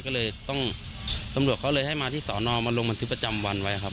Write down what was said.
ก็เลยต้องตำรวจเขาเลยให้มาที่สอนอมาลงบันทึกประจำวันไว้ครับ